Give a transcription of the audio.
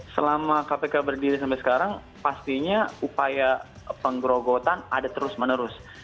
selama kpk berdiri sampai sekarang pastinya upaya penggerogotan ada terus menerus